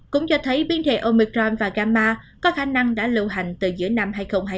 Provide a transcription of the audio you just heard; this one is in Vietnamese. cũng cho thấy biến thể omicron và ganma có khả năng đã lưu hành từ giữa năm hai nghìn hai mươi hai